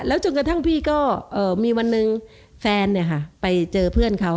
แล้วจนกระทั่งพี่ก็เอ่อมีวันหนึ่งแฟนเนี้ยค่ะไปเจอเพื่อนเขา